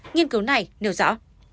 nghiên cứu này nêu rõ